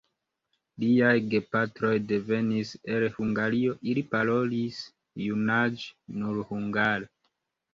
Liaj gepatroj devenis el Hungario, ili parolis junaĝe nur hungare.